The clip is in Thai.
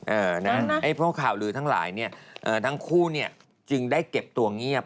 ไอ้พวกข่าวลือทั้งหลายเนี่ยทั้งคู่เนี่ยจึงได้เก็บตัวเงียบ